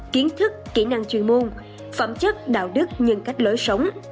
kiến thức kỹ năng chuyên môn phẩm chất đạo đức nhân cách lối sống